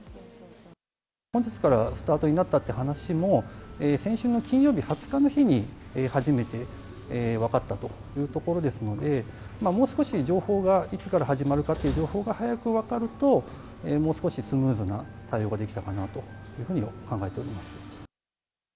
本日からスタートになったという話も、先週の金曜日２０日の日に初めて分かったというところですので、もう少し情報が、いつから始まるかという情報が早く分かると、もう少しスムーズな対応ができたかなと考えております。